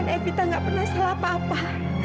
non evita gak pernah salah apa apa